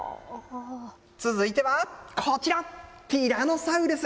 続いてはこちら、ティラノサウルス。